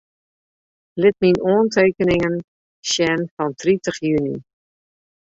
Lit myn oantekeningen sjen fan tritich juny.